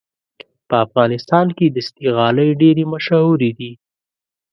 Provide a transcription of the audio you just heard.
په افغانستان کې دستي غالۍ ډېرې مشهورې دي.